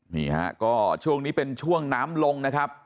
นี่ฮะก็ช่วงนี้เป็นช่วงน้ำลงนะครับ